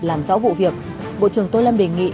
làm rõ vụ việc bộ trưởng tô lâm đề nghị